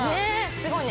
◆すごいね。